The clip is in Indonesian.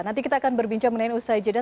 nanti kita akan berbincang mengenai usaha ijadah